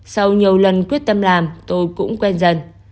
sau nhiều lần quyết tâm làm tôi cũng quen dần